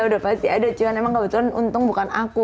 udah pasti ada cuma emang kebetulan untung bukan aku